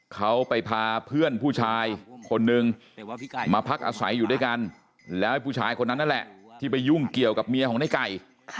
เขาไปพาเพื่อนผู้ชายคนนึงมาพักอาศัยอยู่ด้วยกันแล้วผู้ชายคนนั้นนั่นแหละที่ไปยุ่งเกี่ยวกับเมียของในไก่